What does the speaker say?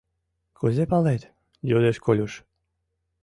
— Кузе палет? — йодеш Колюш.